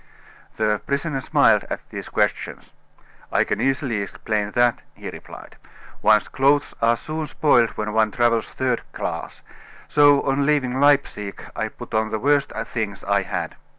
The prisoner smiled at these questions. "I can easily explain that," he replied. "One's clothes are soon spoiled when one travels third class, so on leaving Leipsic I put on the worst things I had.